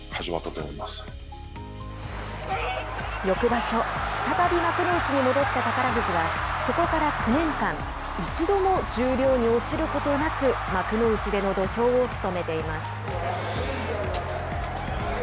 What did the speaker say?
翌場所再び幕内に戻った宝富士はそこから９年間一度も十両に落ちることなく幕内での土俵を務めています。